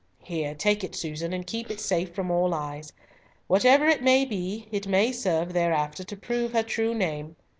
"Here, take it, Susan, and keep it safe from all eyes. Whatever it may be, it may serve thereafter to prove her true name.